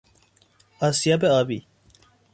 آسیاب آبی